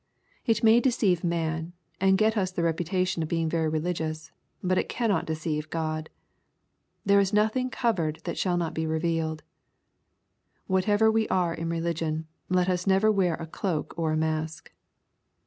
It may deceive man, and get us the reputation of being very religious, but it cannot deceive God. " There is nothing covered that shall not be revealed.'' Whatever we are in religion, let us never wear a cloak or a mask.